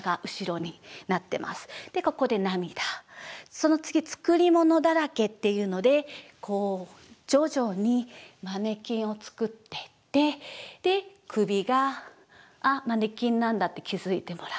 その次「作り物だらけ」っていうのでこう徐々にマネキンを作ってって首が「あっマネキンなんだ」って気付いてもらう。